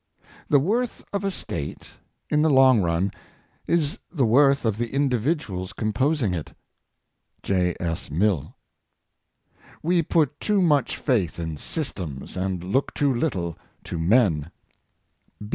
" The worth of a State, in the long run, is the worth of the individuals com posing it." — J. S. Mill. •' We put too much faith in systems, and look too little to men."